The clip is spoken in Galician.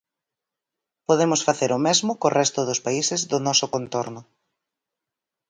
Podemos facer o mesmo co resto dos países do noso contorno.